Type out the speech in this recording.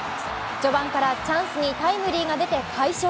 序盤からチャンスにタイムリーが出て快勝。